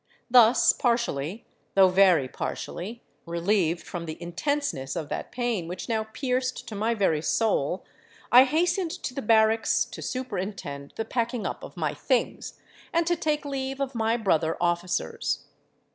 Thus, partially—though very partially—relieved from the intenseness of that pain which now pierced to my very soul, I hastened to the barracks to superintend the packing up of my things, and to take leave of my brother officers.